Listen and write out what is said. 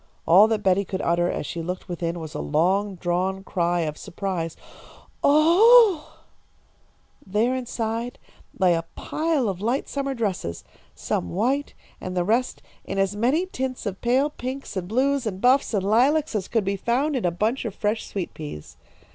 All that Betty could utter, as she looked within, was a long drawn cry of surprise: "Oh oo oo!" There, inside, lay a pile of light summer dresses, some white, and the rest in as many tints of pale pinks and blues and buffs and lilacs as could be found in a bunch of fresh sweet peas.